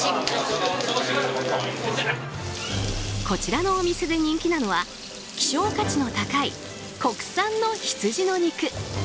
こちらのお店で人気なのは希少価値の高い国産の羊の肉。